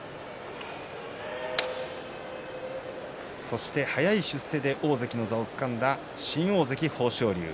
そして早い出世で大関の座をつかんだ新大関、豊昇龍。